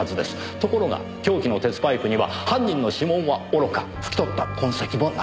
ところが凶器の鉄パイプには犯人の指紋はおろか拭き取った痕跡もなかった。